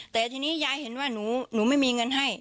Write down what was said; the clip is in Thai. แต่ทีนี้ยายเห็นว่าหนูไม่มีเงินให้